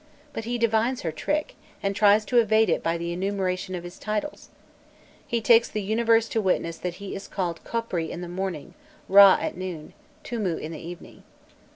But he divines her trick, and tries to evade it by an enumeration of his titles. He takes the universe to witness that he is called "Khopri in the morning, Râ at noon, Tûmû in the evening."